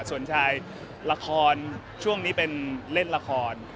ส่วนชายละครช่วงนี้เป็นเล่นละคร